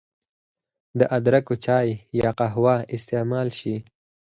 د ادرکو چای يا قهوه استعمال شي